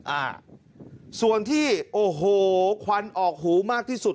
อ่าส่วนที่โอ้โหควันออกหูมากที่สุด